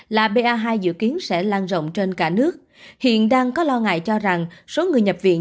là pa hai dự kiến sẽ lan rộng trên cả nước hiện đang có lo ngại cho rằng số người nhập viện